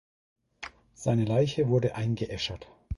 Seine Leiche wurde eingeäschert.